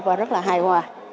và rất là hài hòa